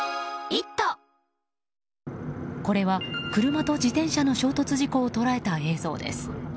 これは車と自転車の衝突事故を捉えた映像です。